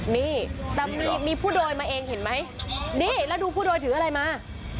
นี่แต่มีผู้โดยมาเองเห็นไหมนี่แล้วดูผู้โดยถืออะไรมา